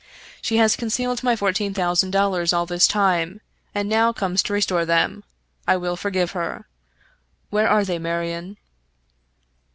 " She has concealed my fourteen 22 Fitzjames O'Brien thousand dollars all this time, and now comes to restore them. I will forgive her. Where are they, Marion?"